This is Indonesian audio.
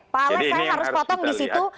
pak alex saya harus potong di situ